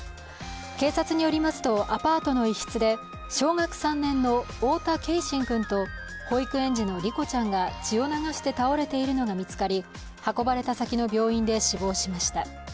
警察によりますと、アパートの一室で小学３年の太田継真君と保育園児の梨心ちゃんが血を流して倒れているのが見つかり運ばれた先の病院で死亡しました。